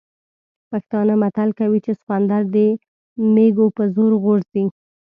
پښتانه متل کوي چې سخوندر د مېږوي په زور غورځي.